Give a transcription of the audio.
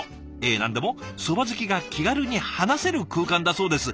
え何でも「そば好きが気軽に話せる空間」だそうです。